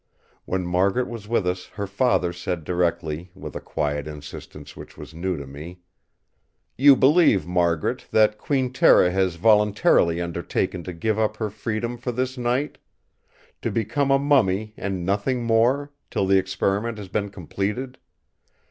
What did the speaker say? When Margaret was with us her father said directly, with a quiet insistence which was new to me: "You believe, Margaret, that Queen Tera has voluntarily undertaken to give up her freedom for this night? To become a mummy and nothing more, till the Experiment has been completed?